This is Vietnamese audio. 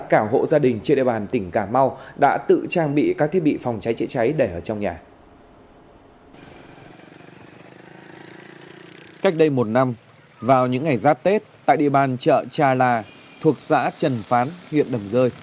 cách đây một năm vào những ngày giá tết tại địa bàn chợ cha la thuộc xã trần phán huyện đầm rơi